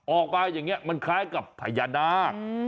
ออกมาอย่างนี้มันคล้ายกับพญานาค